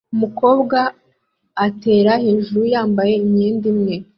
umukobwa atera hejuru yambaye imyenda imwe